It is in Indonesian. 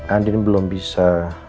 andin belum bisa